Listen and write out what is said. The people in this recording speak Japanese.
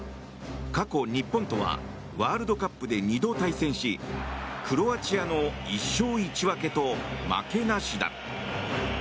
過去、日本とはワールドカップで２度対戦しクロアチアの１勝１分けと負けなしだ。